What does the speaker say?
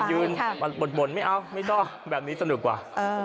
ยืนบ่นไม่เอาไม่ต้องแบบนี้สนุกกว่า